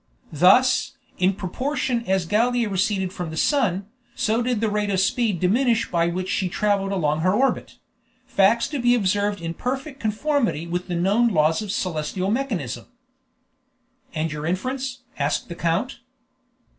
Thus, in proportion as Gallia receded from the sun, so did the rate of speed diminish by which she traveled along her orbit; facts to be observed in perfect conformity with the known laws of celestial mechanism. "And your inference?" asked the count.